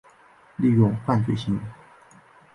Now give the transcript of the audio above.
利用犯罪行为